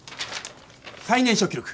最年少記録。